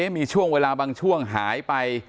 มีช่วงเวลาบางช่วงหายไป